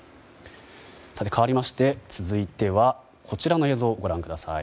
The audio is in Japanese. かわりまして、続いてはこちらの映像をご覧ください。